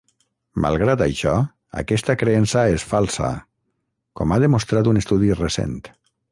Malgrat això, aquesta creença es falsa, com ha demostrat un estudi recent.